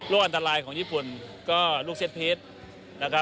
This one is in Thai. ลูกอันตรายของญี่ปุ่นก็ลูกเซ็ตพีชนะครับ